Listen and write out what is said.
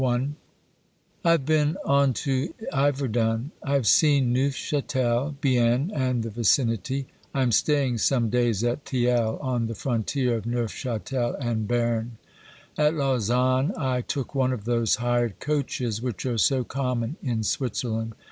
I have been on to Iverdun ; I have seen Neufchatel, Bienne, and the vicinity. I am staying some days at Thiel on the frontier of Neufchatel and Berne. At Lausanne I took one of those hired coaches which are so common in Switzerland.